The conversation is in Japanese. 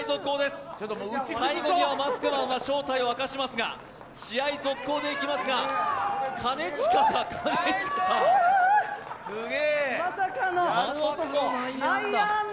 最後にはマスクマンは正体を明かしますが試合続行でいきますが、兼近さん、兼近さん。